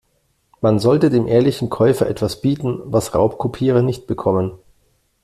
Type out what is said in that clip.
Man sollte dem ehrlichen Käufer etwas bieten, was Raubkopierer nicht bekommen.